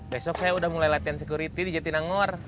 besok saya udah mulai latihan security di jatinangor